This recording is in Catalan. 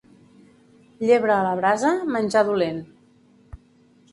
Llebre a la brasa, menjar dolent.